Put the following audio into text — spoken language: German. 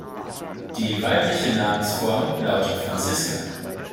Die weibliche Namensform lautet "Franziska".